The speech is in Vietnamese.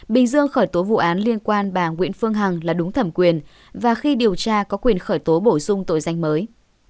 bình dương khởi tố vụ án liên quan bà nguyễn phương hằng là đúng thẩm quyền và khi điều tra có quyền khởi tố bổ sung tội danh mới